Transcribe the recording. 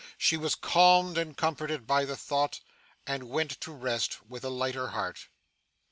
She was calmed and comforted by the thought, and went to rest with a lighter heart.